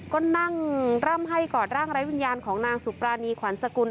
ก็นั่งร่ำให้กอดร่างไร้วิญญาณของนางสุปรานีขวัญสกุล